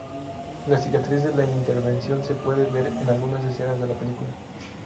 La cicatriz de la intervención se puede ver en algunas escenas de la película.